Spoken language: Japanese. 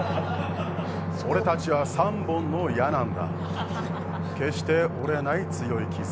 俺たちは３本の矢なんだ、決して折れない強い絆。